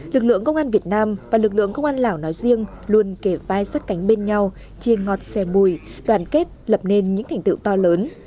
lực lượng công an việt nam và lực lượng công an lào nói riêng luôn kể vai sát cánh bên nhau chia ngọt xẻ bùi đoàn kết lập nên những thành tựu to lớn